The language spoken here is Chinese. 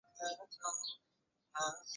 汶干府是泰国的一个府。